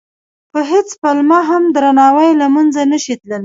په هېڅ پلمه هم درناوی له منځه نه شي تللی.